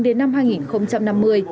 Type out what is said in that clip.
đến năm hai nghìn năm mươi